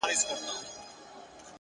مثبت چلند د چاپېریال رنګ بدلوي.!